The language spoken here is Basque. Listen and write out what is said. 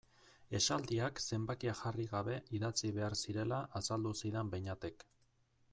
Esaldiak zenbakia jarri gabe idatzi behar zirela azaldu zidan Beñatek.